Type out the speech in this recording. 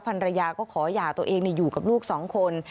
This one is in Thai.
ภรรยาก็ขอหย่าตัวเองอยู่กับลูกสองคน